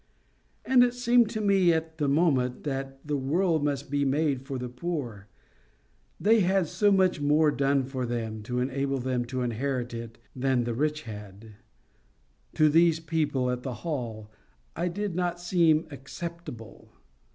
And it seemed to me at the moment that the world must be made for the poor: they had so much more done for them to enable them to inherit it than the rich had.—To these people at the Hall, I did not seem acceptable.